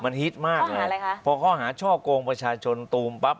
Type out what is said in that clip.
มันฮิตมากเลยอะไรคะพอข้อหาช่อกงประชาชนตูมปั๊บ